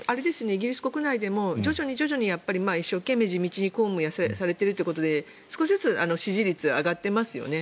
イギリス国内でも徐々に徐々に一生懸命、地道に公務をされているということで少しずつ支持率が上がっていますよね。